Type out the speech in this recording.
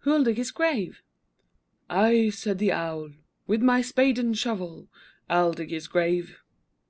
Who'll dig his grave? I, said the Owl, With my spade and shovel. I'll dig his grave.